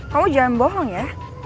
kamu jangan bohong ya